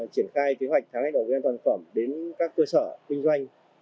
triển khai kế hoạch tháng một của vệ sinh an toàn thực phẩm đến các cơ sở kinh doanh